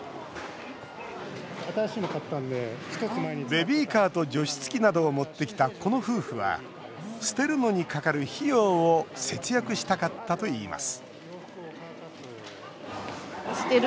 ベビーカーと除湿器などを持ってきた、この夫婦は捨てるのにかかる費用を節約したかったといいます